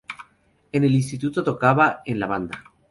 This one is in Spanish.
En el instituto tocaba en la banda.